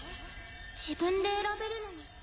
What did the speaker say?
自分で選べるのに。